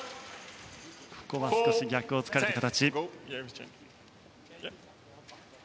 ここは少し逆を突かれた形。